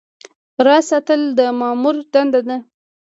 راز ساتل د مامور دنده ده